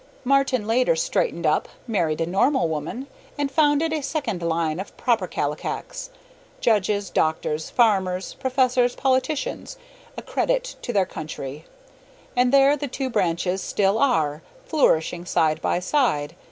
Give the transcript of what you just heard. Martin later straightened up, married a normal woman, and founded a second line of proper Kallikaks, judges, doctors, farmers, professors, politicians, a credit to their country. And there the two branches still are, flourishing side by side.